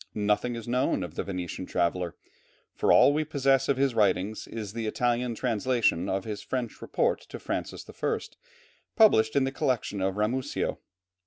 Nothing is known of the Venetian traveller, for all we possess of his writings is the Italian translation of his report to Francis I. published in the collection of Ramusio.